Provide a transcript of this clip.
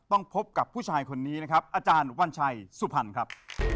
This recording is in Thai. พบกับผู้ชายคนนี้นะครับอาจารย์วัญชัยสุพรรณครับ